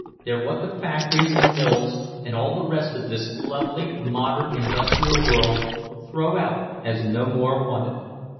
They're what the factories and mills and all the rest of this lovely modern industrial world throw out as no more wanted.